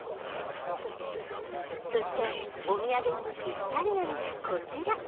そしてお土産にもぴったりなのがこちら。